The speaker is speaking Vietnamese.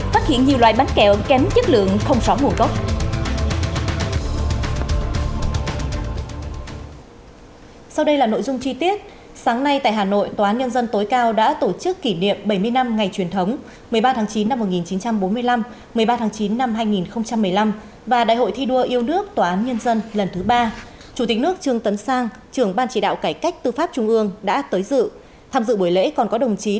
phát hiện nhiều loại bánh kẹo kém chất lượng không sóng nguồn cốc